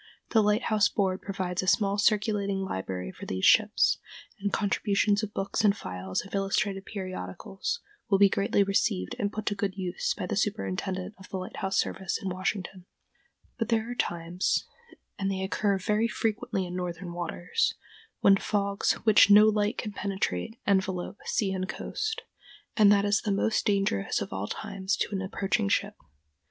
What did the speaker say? The Lighthouse Board provides a small circulating library for these ships, and contributions of books and files of illustrated periodicals will be gratefully received and put to good use by the Superintendent of the Lighthouse Service in Washington. [Illustration: THE FOG BELL.] But there are times—and they occur very frequently in northern waters—when fogs which no light can penetrate envelop sea and coast, and that is the most dangerous of all times to an approaching ship.